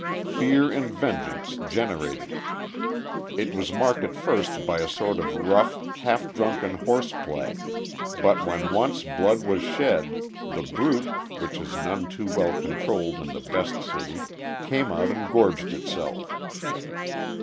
Fear and vengeance generated it: it was marked at first by a sort of rough, half drunken horseplay, but when once blood was shed, the brute, which is none too well controlled in the best city, came out and gorged itself.